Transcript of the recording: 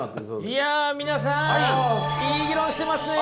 いや皆さんいい議論してますね！